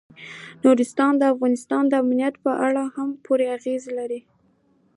نورستان د افغانستان د امنیت په اړه هم پوره اغېز لري.